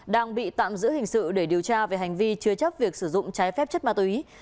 đang bị tạm giữ hình sự để điều tra về hành vi chứa chấp việc sử dụng trái phép chất ma túy